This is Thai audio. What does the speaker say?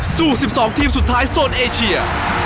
๑๒ทีมสุดท้ายโซนเอเชีย